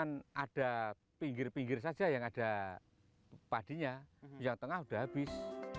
cuman ada pinggir pinggir saja yang ada padinya yang tengah sudah habis